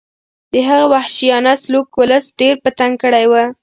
د هغه وحشیانه سلوک ولس ډېر په تنګ کړی و.